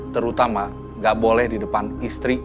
terutama gak boleh di depan istri atau anak anaknya